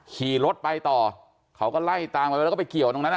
ขี่รถไปต่อเขาก็ไล่ตามไปแล้วก็ไปเกี่ยวตรงนั้น